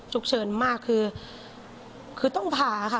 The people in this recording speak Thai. ฉุกเฉินมากคือคือต้องผ่าค่ะ